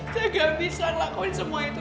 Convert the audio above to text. saya gak bisa lakuin semua itu